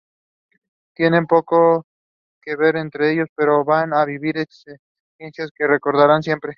Tienen poco que ver entre ellos, pero van a vivir experiencias que recordarán siempre.